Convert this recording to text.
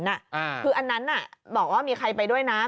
คืออันนั้นบอกว่ามีใครไปด้วยนะ